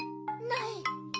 ない。